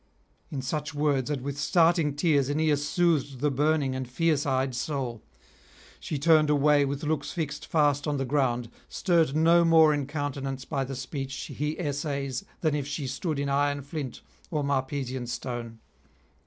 In such words and with starting tears Aeneas soothed the burning and fierce eyed soul. She turned away with looks fixed fast on the ground, stirred no more in countenance by the speech he essays than if she stood in iron flint or Marpesian stone.